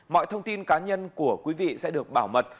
mọi thông tin cá nhân của quý vị sẽ được bảo mật